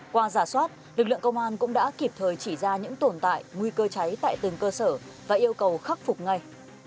qua giả soát lực lượng công an cũng đã kịp thời chỉ ra những tồn tại nguy cơ cháy tại từng cơ sở và yêu cầu khắc phục ngay